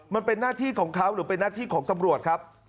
มันเป็นหน้าที่ของเขาหรือเป็นหน้าที่ของตำรวจครับ